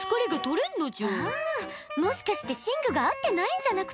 あもしかして寝具が合ってないんじゃなくって？